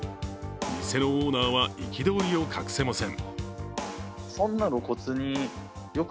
店のオーナーは憤りを隠せません。